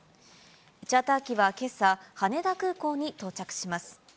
チャーター機はけさ、羽田空港に到着します。